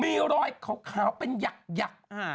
มีรอยขาวเป็นหยัก